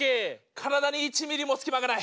体に１ミリも隙間がない。